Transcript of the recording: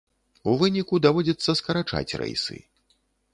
У выніку даводзіцца скарачаць рэйсы.